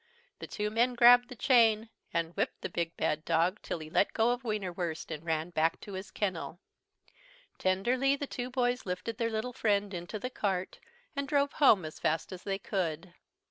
The two men grabbed the chain and whipped the big bad dog till he let go of Wienerwurst and ran back to his kennel. Tenderly the two boys lifted their little friend into the cart, and drove home as fast as they could.